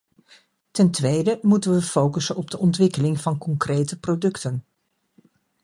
Ten tweede moeten we focussen op de ontwikkeling van concrete producten.